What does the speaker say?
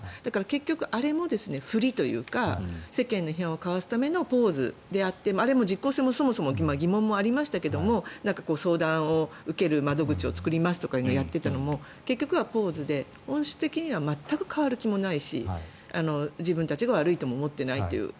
結局あれも、ふりというか世間の批判をかわすためのポーズであってあれも実効性もそもそも疑問がありましたけど相談を受ける窓口を作りますというのをやっていたのも結局はポーズで本質的には全く変わる気もないし自分たちが悪いとも思っていないという。